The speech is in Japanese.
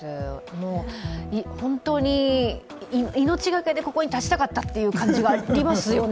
本当に命がけで、ここに立ちたかったという感じありますよね。